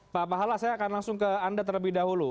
pak pahala saya akan langsung ke anda terlebih dahulu